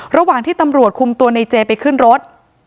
ระหว่างที่ตำรวจคุมตัวในเจไปขึ้นรถ